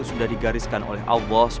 sudah digariskan oleh allah bos